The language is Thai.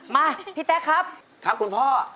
มาพี่แจ๊คครับครับคุณพ่อ